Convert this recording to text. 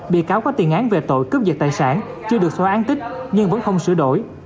bị cáo có tiền án về tội cướp giật tài sản chưa được xóa án tích nhưng vẫn không sửa đổi